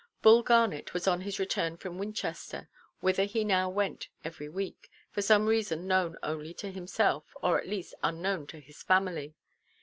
Bull Garnet was on his return from Winchester, whither he now went every week, for some reason known only to himself, or at least unknown to his family.